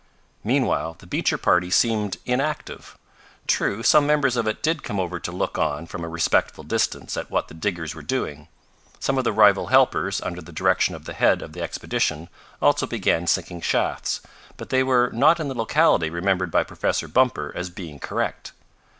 Meanwhile the Beecher party seemed inactive. True, some members of it did come over to look on from a respectful distance at what the diggers were doing. Some of the rival helpers, under the direction of the head of the expedition, also began sinking shafts. But they were not in the locality remembered by Professor Bumper as being correct.